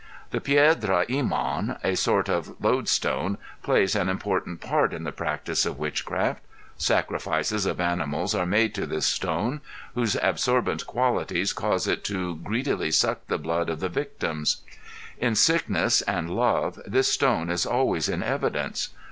The Piedra Im├Īn, a sort of lodestone, plays an important part in the practice of witchcraft; sacrifices of animals are made to this stone whose absorbent qualities cause it to greedily suck the blood of the victims. In sickness and love this stone is always in evidence.